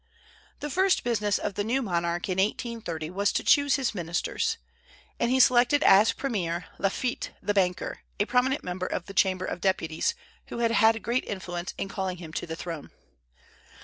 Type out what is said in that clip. The first business of the new monarch in 1830 was to choose his ministers, and he selected as premier Lafitte the banker, a prominent member of the Chamber of Deputies, who had had great influence in calling him to the throne.